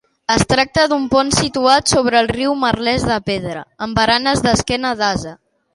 Es tracta d'un pont situat sobre el riu Merlès de pedra, amb baranes d'esquena d'ase.